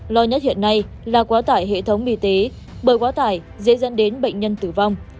lo nhất hiện nay là quá tải hệ thống y tế bởi quá tải dễ dẫn đến bệnh nhân tử vong